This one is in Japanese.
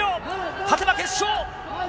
勝てば決勝。